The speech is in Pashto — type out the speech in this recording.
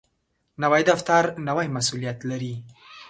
نوی دفتر نوی مسؤولیت لري